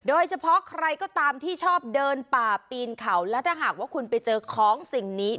โดยเฉพาะใครก็ตามที่ชอบเดินป่าปีนเขาและถ้าหากว่าคุณไปเจอของสิ่งนี้